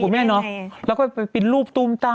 ไม่ได้ดีหรอกคุณแม่